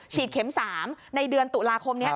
เข็ม๓ในเดือนตุลาคมนี้